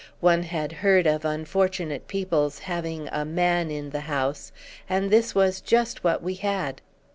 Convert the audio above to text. One had heard of unfortunate people's having "a man in the house," and this was just what we had.